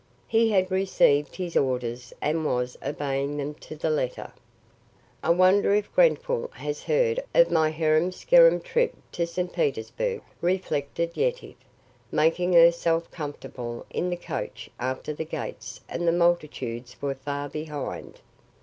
He had received his orders and was obeying them to the letter. "I wonder if Grenfall has heard of my harum scarum trip to St. Petersburg," reflected Yetive, making herself comfortable in the coach after the gates and the multitudes were far behind.